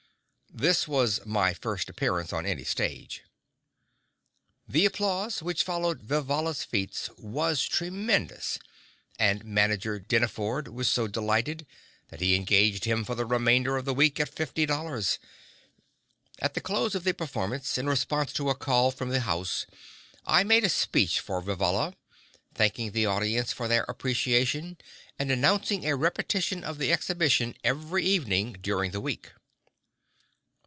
This was "my first appearance on any stage." The applause which followed Vivalla's feats was tremendous, and Manager Dinneford was so delighted that he engaged him for the remainder of the week at fifty dollars. At the close of the performance, in response to a call from the house, I made a speech for Vivalla, thanking the audience for their appreciation and announcing a repetition of the exhibition every evening during the week.